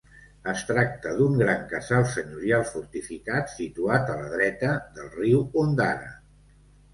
Es tracta d'un gran casal senyorial fortificat situat a la dreta del riu Ondara.